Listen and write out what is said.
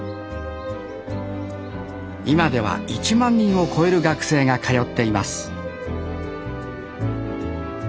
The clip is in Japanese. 今では１万人を超える学生が通っています